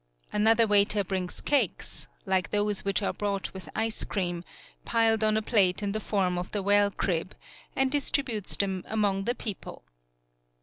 Another waiter brings cakes, 62 THE PIER like those which are brought with ice cream, piled on a plate in the form of the well crib, and distributes them among the people.